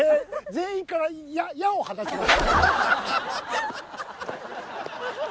全員から矢を放ちます。